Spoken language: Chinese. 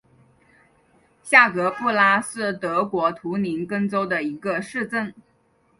下格布拉是德国图林根州的一个市镇。